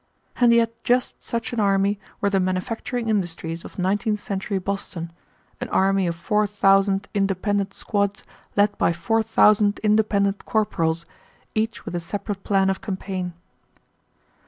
And yet just such an army were the manufacturing industries of nineteenth century Boston, an army of four thousand independent squads led by four thousand independent corporals, each with a separate plan of campaign.